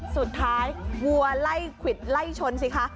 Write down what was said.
สุดท้ายวัวไล่ขวิดไล่ชนสิคะ